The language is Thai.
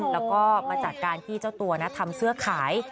แล้วก็มาจากการที่เจ้าตัวทำเสื้อขาย